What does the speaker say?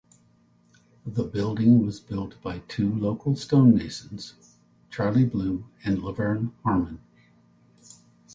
The building was built by two local stonemasons Charlie Blue and Laverne Harmon.